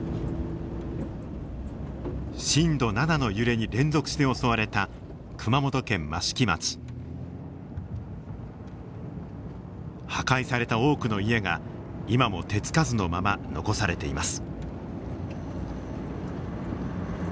震度７の揺れに連続して襲われた破壊された多くの家が今も手付かずのまま残されています。